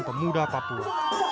untuk muda papua